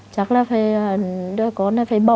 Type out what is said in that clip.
chắc là đứa con này phải bỏ